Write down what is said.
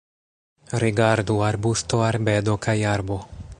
Rigardu: arbusto, arbedo kaj arbo.